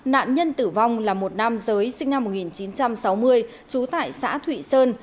nạn nhân tử vong là một nam giới sinh năm một nghìn chín trăm sáu mươi trú tại xã thụy sơn